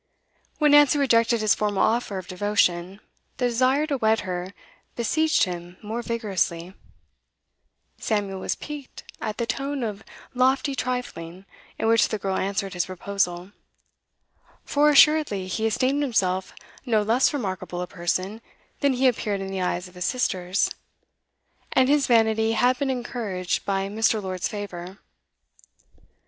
When Nancy rejected his formal offer of devotion, the desire to wed her besieged him more vigorously; Samuel was piqued at the tone of lofty trifling in which the girl answered his proposal; for assuredly he esteemed himself no less remarkable a person than he appeared in the eyes of his sisters, and his vanity had been encouraged by Mr. Lord's favour.